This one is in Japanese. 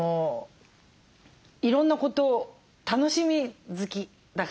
いろんなこと楽しみ好きだから。